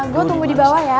gue tunggu di bawah ya